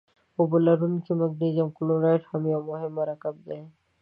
اوبه لرونکی مګنیزیم کلورایډ هم یو مهم مرکب دی.